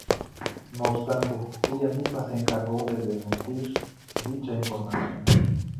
No obstante, ella misma se encargó de desmentir dicha información.